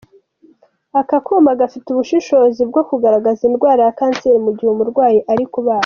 Aka kuma gafite ubushobozi bwo kugaragaza indwara ya kanseri mu gihe umurwayi ari kubagwa.